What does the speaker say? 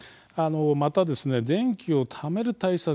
また電気をためる対策